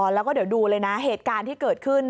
แล้วก็เดี๋ยวดูเลยนะเหตุการณ์ที่เกิดขึ้น